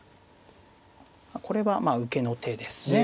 これはまあ受けの手ですね。